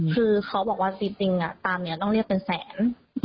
คือเขาบอกว่าจริงตามนี้ต้องเรียกเป็นแสน